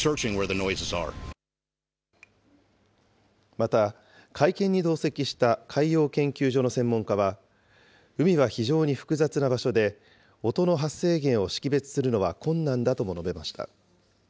また、会見に同席した海洋研究所の専門家は、海は非常に複雑な場所で、音の発生源を識別するのは困難だとも述べました。